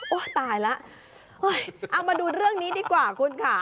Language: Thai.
ตายแล้วเอามาดูเรื่องนี้ดีกว่าคุณค่ะ